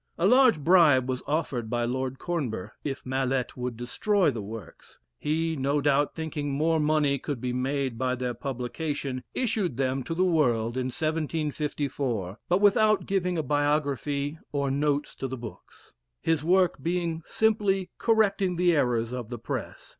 A large bribe was offered by Lord Cornbur if Mallet would destroy the works. He, no doubt, thinking more money could be made by their publication, issued them to the world in 1754, but without giving a biography or notes to the books, his work being simply correcting the errors of the press.